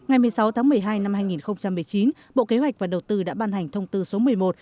ngày một mươi sáu tháng một mươi hai năm hai nghìn một mươi chín bộ kế hoạch và đầu tư đã ban hành thông tư số một mươi một